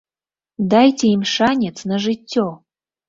Дайце ім шанец на жыццё!